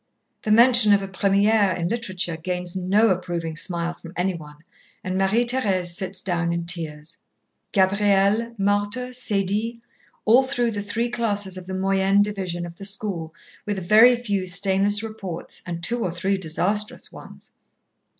The mention of a première in literature gains no approving smile from any one and Marie Thérèse sits down in tears. Gabrielle, Marthe, Sadie all through the three classes of the moyenne division of the school, with very few stainless reports and two or three disastrous ones.